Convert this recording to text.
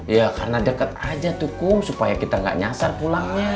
ya karena dekat aja tukum supaya kita nggak nyasar pulangnya